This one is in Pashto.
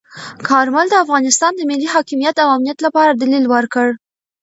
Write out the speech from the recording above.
کارمل د افغانستان د ملي حاکمیت او امنیت لپاره دلیل ورکړ.